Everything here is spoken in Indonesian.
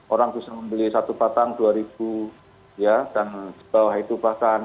orang bisa membeli satu batang rp dua dan di bawah itu batang